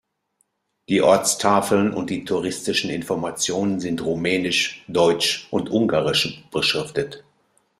Die Ortstafeln und die touristischen Informationen sind Rumänisch, Deutsch und Ungarisch beschriftet.